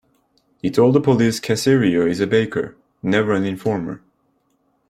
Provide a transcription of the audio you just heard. He told the police Caserio is a baker, never an informer.